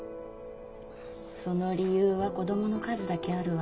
その理由は子供の数だけあるわ。